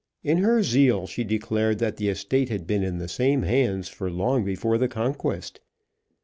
In her zeal she declared that the estate had been in the same hands from long before the Conquest.